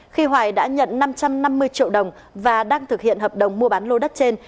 khi hoài đã nhận năm trăm năm mươi triệu đồng và đang thực hiện hợp đồng mua bán lô đất trên